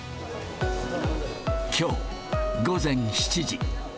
きょう午前７時。